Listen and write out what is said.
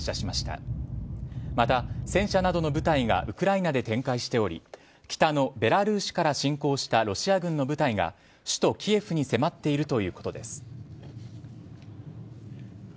また、戦車などの部隊がウクライナで展開しており北のベラルーシから侵攻したロシア軍の部隊が首都・キエフに迫っているということです。